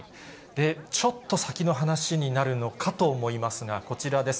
ちょっと先の話になるのかと思いますが、こちらです。